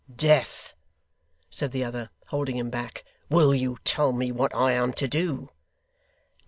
'Death!' said the other, holding him back. 'Will you tell me what I am to do!